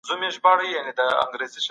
د تورو د یو شان والي نښه په ماشین څرګندیږي.